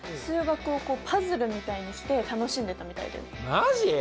マジ！？